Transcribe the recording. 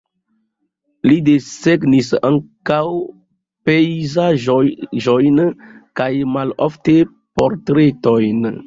Li desegnis ankaŭ pejzaĝojn kaj malofte portretojn.